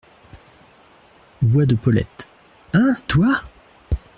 Voix de Paulette. — Hein ! toi !…